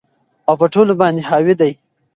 او په ټولو باندي حاوي دى